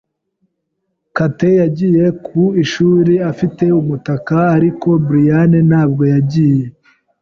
Kate yagiye ku ishuri afite umutaka, ariko Brian ntabwo yagiye.